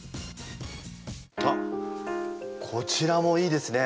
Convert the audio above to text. あっこちらもいいですね。